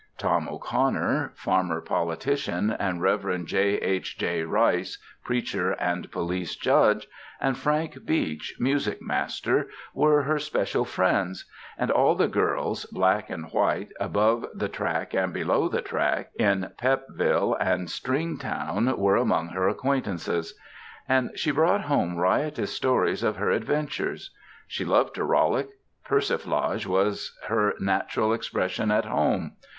Tom O'Connor, farmer politician, and Rev. J. H. J. Rice, preacher and police judge, and Frank Beach, music master, were her special friends, and all the girls, black and white, above the track and below the track, in Pepville and Stringtown, were among her acquaintances. And she brought home riotous stories of her adventures. She loved to rollick; persiflage was her natural expression at home.